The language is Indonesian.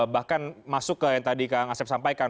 bahkan masuk ke yang tadi kang asep sampaikan